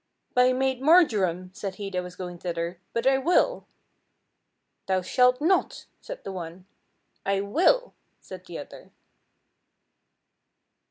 "By maid Marjoram," said he that was going thither, "but I will." "Thou shalt not," said the one. "I will," said the other.